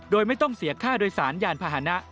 โดยไม่ต้องเสียค่าโดยสารยานพาหนะ